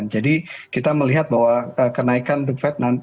jadi kita melihat bahwa kenaikan the fed